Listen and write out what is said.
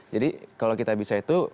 jadi kalau kitabisa itu